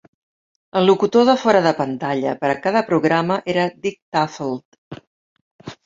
El locutor de fora de pantalla per a cada programa era Dick Tufeld.